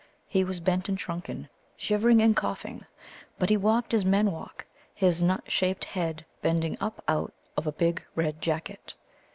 He was bent and shrunken, shivering and coughing, but he walked as men walk, his nut shaped head bending up out of a big red jacket.